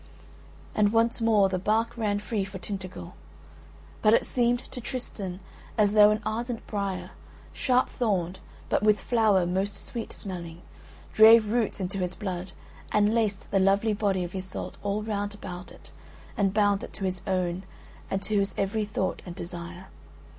And once more the bark ran free for Tintagel. But it seemed to Tristan as though an ardent briar, sharp thorned but with flower most sweet smelling, drave roots into his blood and laced the lovely body of Iseult all round about it and bound it to his own and to his every thought and desire.